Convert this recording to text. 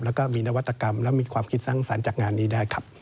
แล้วก็มีนวัตกรรมและมีความคิดสร้างสรรค์จากงานนี้ได้ครับ